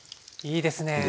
いいですね。